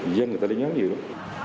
dân người ta lây nhắn nhiều lắm